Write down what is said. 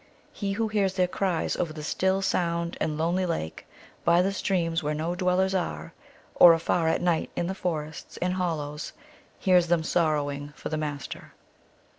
He who hears their cries over the still sound and lonely lake, by the streams where no dwellers are, or afar at night in the forests and hollows, hears them sorrowing for the Master.